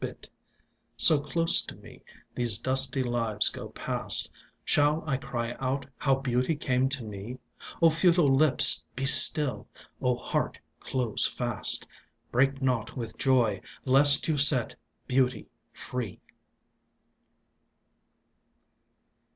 David Osborne Hamilton So close to me these dusty lives go past — Shall I cry out how Beauty came to me? O futile lips,. be still! O heart, close fast! Break not with joy, lest you set Beauty free!